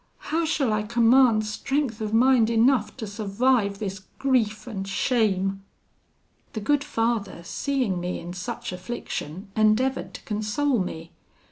How shall I command strength of mind enough to survive this grief and shame!' "The good Father, seeing me in such affliction, endeavoured to console me.